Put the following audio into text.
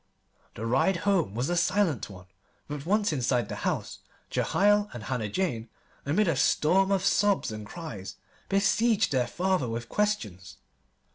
The ride home was a silent one; but once inside the house, Jehiel and Hannah Jane, amid a storm of sobs and cries, besieged their father with questions.